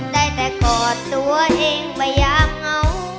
ได้แต่กอดตัวเองไปยามเหงา